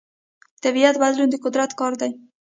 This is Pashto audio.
د طبیعت بدلون د قدرت کار دی.